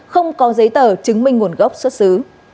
không có giấy tờ chứng minh nguồn gốc xuất xứ